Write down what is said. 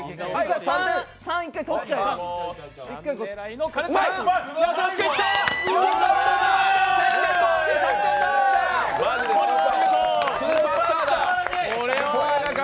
３、１回取っちゃいます。